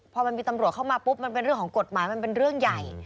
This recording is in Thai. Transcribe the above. พอมันมีตำรวจเข้ามาปุ๊บมันเป็นเรื่องของกฎหมายมันเป็นเรื่องใหญ่